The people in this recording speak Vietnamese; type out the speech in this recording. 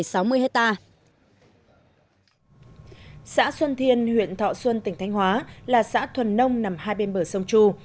xã xuân thiên huyện thọ xuân tỉnh thanh hóa là xã thuần nông nằm hai bên bờ sông chu